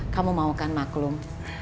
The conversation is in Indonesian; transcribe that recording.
kamu mau kan maklum